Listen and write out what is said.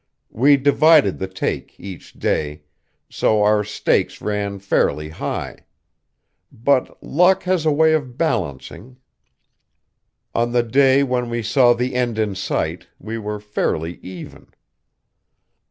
We divided the take, each day; so our stakes ran fairly high. But luck has a way of balancing. On the day when we saw the end in sight, we were fairly even....